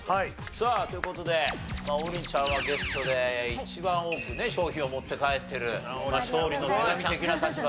さあという事で王林ちゃんはゲストで一番多く賞品を持って帰ってる勝利の女神的な立場ですから。